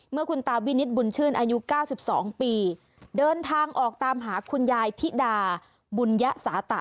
เมื่อคุณตาวินิตบุญชื่นอายุ๙๒ปีเดินทางออกตามหาคุณยายธิดาบุญยสาตะ